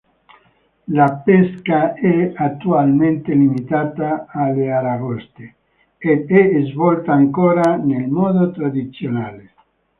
La pesca è attualmente limitata alle aragoste, ed è svolta ancora nel modo tradizionale.